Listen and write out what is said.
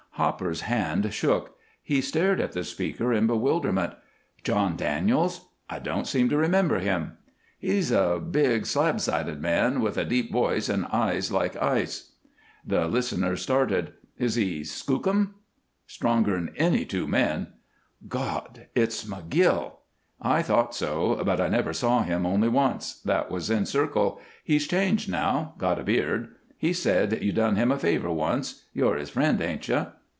Hopper's hand shook; he stared at the speaker in bewilderment. "John Daniels? I don't seem to remember him." "He's a big slab sided man with a deep voice and eyes like ice." The listener started. "Is he skookum?" "Stronger 'n any two men " "God! It's McGill!" "I thought so, but I never saw him only once that was in Circle. He's changed now got a beard. He said you done him a favor once. You're his friend, ain't you?"